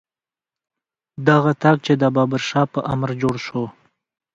دغه طاق چې د بابر شاه په امر جوړ شو.